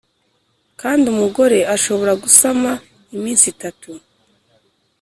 kandi umugore ashobora gusama iminsi itatu